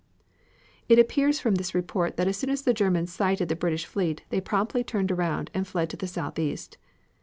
It appears from this report that as soon as the Germans sighted the British fleet they promptly turned around and fled to the southeast.